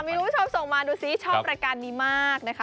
มีคุณผู้ชมส่งมาดูซิชอบรายการนี้มากนะคะ